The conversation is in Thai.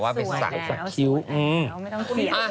ไม่ต้องเขียน